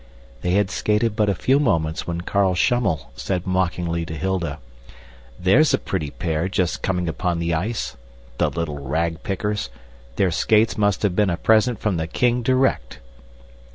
They had skated but a few moments when Carl Schummel said mockingly to Hilda, "There's a pretty pair just coming upon the ice! The little ragpickers! Their skates must have been a present from the king direct."